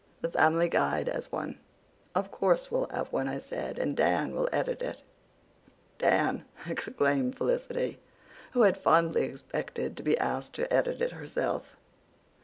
"The Family Guide has one." "Of course we'll have one," I said, "and Dan will edit it." "Dan!" exclaimed Felicity, who had fondly expected to be asked to edit it herself.